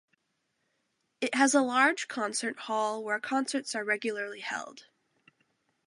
It has a large concert hall where concerts are regularly held.